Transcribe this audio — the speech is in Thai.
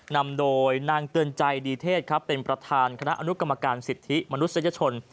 นำโดยนางเตือนใจดีเทศครับเป็นประธานคณะอนุกรรมการสิทธิมนุษยชน